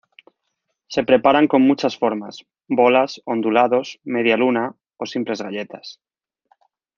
Se preparan con muchas formas: bolas, ondulados, media luna o simples galletas.